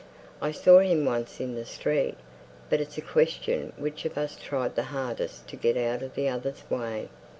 I saw him once in the street, but it's a question which of us tried the hardest to get out of the other's way."